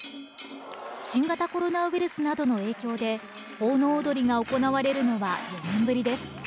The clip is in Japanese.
新型コロナウイルスなどの影響で、奉納踊が行われるのは４年ぶりです。